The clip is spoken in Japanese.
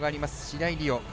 白井璃緒。